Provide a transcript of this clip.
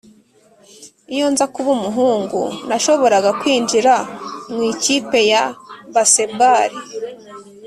iyo nza kuba umuhungu, nashoboraga kwinjira mu ikipe ya baseball.